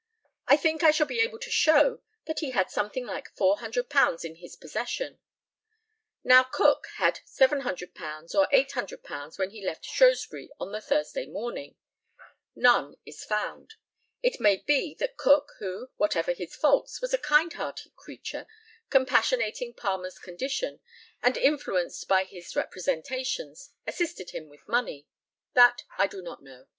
I think I shall be able to show that he had something like £400 in his possession. Now, Cook had £700 or £800 when he left Shrewsbury on the Thursday morning. None is found. It may be that Cook, who, whatever his faults, was a kind hearted creature, compassionating Palmer's condition, and influenced by his representations, assisted him with money. That I do not know.